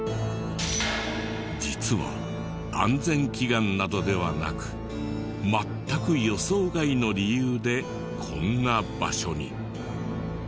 実は安全祈願などではなく全く予想外の理由でこんな場所に。